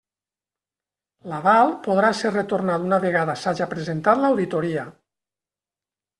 L'aval podrà ser retornat una vegada s'haja presentat l'auditoria.